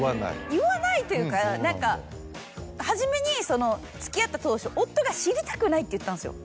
言わないというか何か初めに付き合った当初。って言ったんですよ。